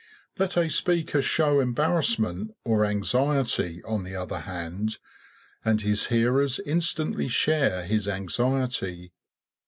Let a speaker show embarrassment or anxiety, on the other hand, and his hearers instantly share his anxiety.